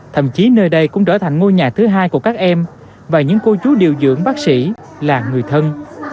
thậm chí nơi đây cũng trở thành ngôi nhà thứ hai của các em và những cô chú điều dưỡng bác sĩ là người thân